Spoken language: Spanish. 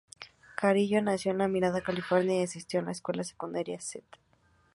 Carrillo nació en La Mirada, California y asistió a la Escuela Secundaria St.